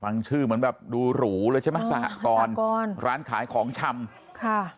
ชื่อเหมือนแบบดูหรูเลยใช่ไหมสหกรร้านขายของชำค่ะ